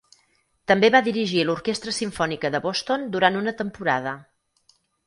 També va dirigir l'Orquestra Simfònica de Boston durant una temporada.